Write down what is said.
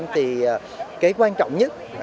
thì cái quan trọng nhất